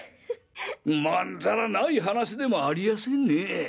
まんざらない話でもありやせんねぇ。